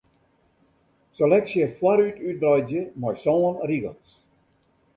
Seleksje foarút útwreidzje mei sân rigels.